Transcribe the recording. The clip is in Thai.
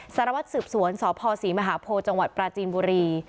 สารวัตรสืบสวนสพศรีมหาโพจังหวัดปราจีนบุรี